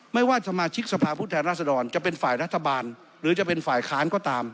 ไม่ว่าสมาชิกสภาพผู้แทนราษฎรจะเป็นฝ่ายรัฐบาลหรือจะเป็นฝ่ายค้านก็ตาม